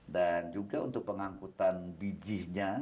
dan juga untuk pengangkutan bijinya